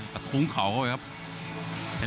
กระทุ้งเข่าเข้าไปครับ